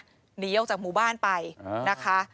หนีออกจากหมู่บ้านไปนะคะ